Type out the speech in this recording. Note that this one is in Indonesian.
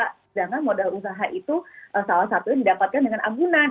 sedangkan modal usaha itu salah satunya didapatkan dengan ambulan